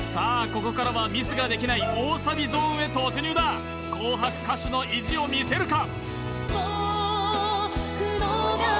ここからはミスができない大サビゾーンへ突入だ紅白歌手の意地を見せるか？